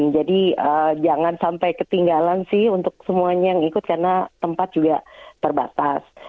jadi jangan sampai ketinggalan sih untuk semuanya yang ikut karena tempat juga terbatas